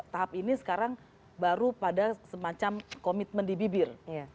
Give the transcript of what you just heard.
tahap ini sekarang baru pada semacam komitmen di bibir